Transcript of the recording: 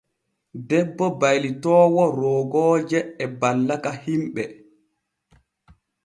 Debbo baylitoowo roogooje e ballaka himɓe.